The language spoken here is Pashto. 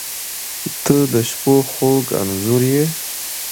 • ته د شپو خوږ انځور یې.